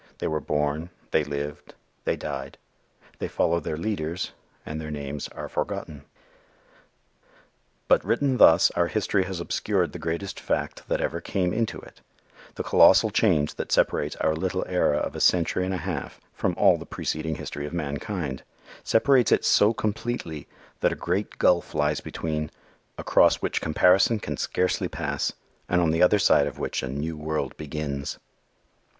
They were born; they lived; they died. They followed their leaders, and their names are forgotten. But written thus our history has obscured the greatest fact that ever came into it the colossal change that separates our little era of a century and a half from all the preceding history of mankind separates it so completely that a great gulf lies between, across which comparison can scarcely pass, and on the other side of which a new world begins.